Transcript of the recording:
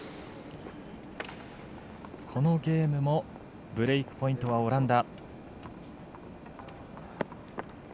このゲームもブレークポイントはオランダ。